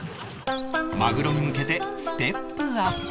マグロに向けてステップアップ